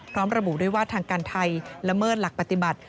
พร้อมระบุด้วยว่าทางการไทยละเมิดหลักปฏิบัติ